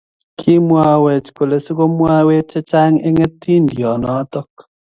Kimwawech kole sikomwaiwech chechang eng atindoniot.